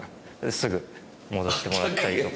すぐ戻してもらったりとか。